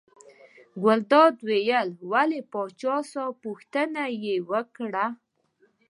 ګلداد وویل ولې پاچا صاحب پوښتنه یې وکړه.